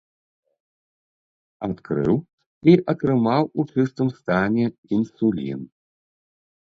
Адкрыў і атрымаў у чыстым стане інсулін.